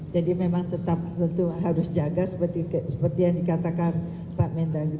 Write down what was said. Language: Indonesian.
jadi memang tetap harus jaga seperti yang dikatakan pak menko